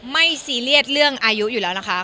ซีเรียสเรื่องอายุอยู่แล้วนะคะ